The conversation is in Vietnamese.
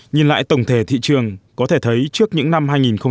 nhìn lại tổng thể thị trường có thể thấy trước những năm hai nghìn hai mươi